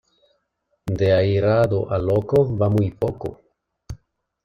De airado a loco va muy poco.